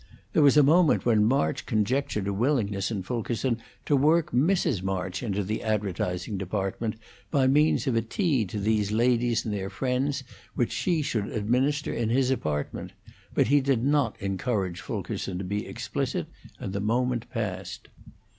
There was a moment when March conjectured a willingness in Fulkerson to work Mrs. March into the advertising department, by means of a tea to these ladies and their friends which she should administer in his apartment, but he did not encourage Fulkerson to be explicit, and the moment passed.